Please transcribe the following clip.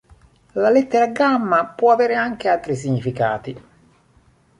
La lettera gamma può avere anche altri significati.